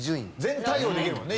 全対応できるもんね